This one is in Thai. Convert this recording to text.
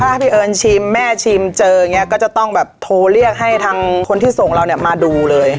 ถ้าพี่เอิญชิมแม่ชิมเจออย่างนี้ก็จะต้องแบบโทรเรียกให้ทางคนที่ส่งเราเนี่ยมาดูเลย